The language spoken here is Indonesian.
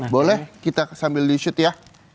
boleh kita sambil di shoot ya